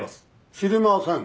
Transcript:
知りません。